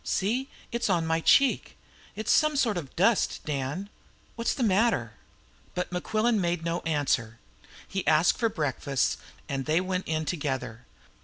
"See, it's on my cheek! It is some sort of dust, Dan. What's the matter?" But Mequillen made no answer. He asked for breakfast, and they went in together.